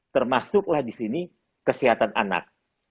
termasuklah di sini kesehatan anak